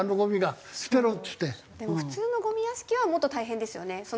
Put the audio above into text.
でも普通のゴミ屋敷はもっと大変ですよね。